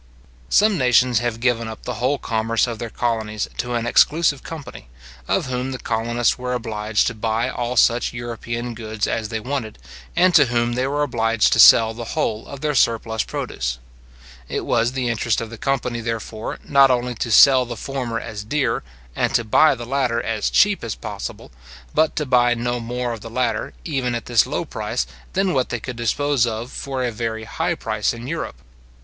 Some nations have given up the whole commerce of their colonies to an exclusive company, of whom the colonists were obliged to buy all such European goods as they wanted, and to whom they were obliged to sell the whole of their surplus produce. It was the interest of the company, therefore, not only to sell the former as dear, and to buy the latter as cheap as possible, but to buy no more of the latter, even at this low price, than what they could dispose of for a very high price in Europe.